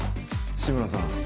志村さん